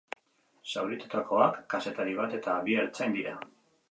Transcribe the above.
Zauritutakoak kazetari bat eta bi ertzain dira.